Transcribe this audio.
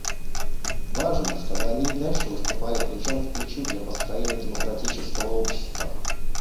Важно, чтобы они и дальше выступали плечом к плечу для построения демократического общества.